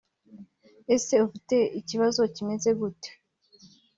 Ese ufite ikibazo kimeze gute